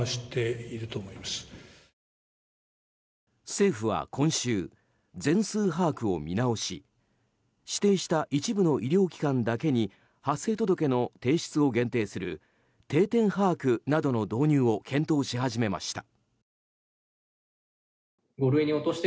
政府は今週、全数把握を見直し指定した一部の医療機関だけに発生届の提出を限定する定点把握などの導入を検討し始めました。